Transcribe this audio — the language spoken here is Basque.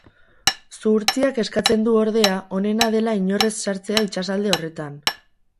Zuhurtziak eskatzen du, ordea, onena dela inor ez sartzea itsasalde horretan.